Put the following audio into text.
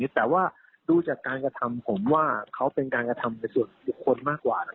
แต่ว่าดูจากการกระทำผมว่าเขาเป็นการกระทำในส่วนบุคคลมากกว่า